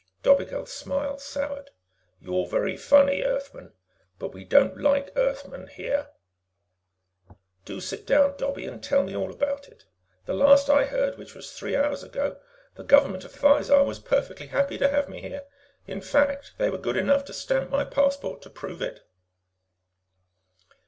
Dobigel's smile soured. "You're very funny, Earthman. But we don't like Earthmen here." "Do sit down, Dobbie, and tell me all about it. The last I heard which was three hours ago the government of Thizar was perfectly happy to have me here. In fact, they were good enough to stamp my passport to prove it."